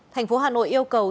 tp hà nội yêu cầu